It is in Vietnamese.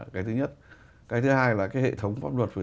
cái thứ hai là cái hệ thống pháp luật về